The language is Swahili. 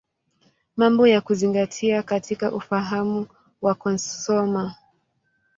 Mambo ya Kuzingatia katika Ufahamu wa Kusoma.